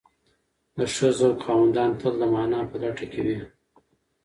د ښه ذوق خاوندان تل د مانا په لټه کې وي.